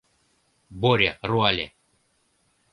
— Боря руале.